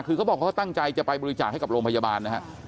คือเขาบอกเขาตั้งใจจะไปบริจาคให้กับโรงพยาบาลนะฮะ